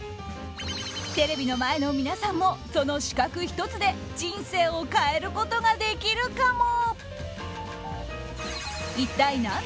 テレビの前の皆さんもその資格１つで人生を変えることができるかも。